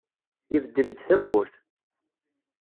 Ibeddel-d tawwurt.